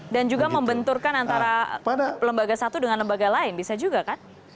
dan juga membenturkan antara lembaga satu dengan lembaga lain bisa juga kan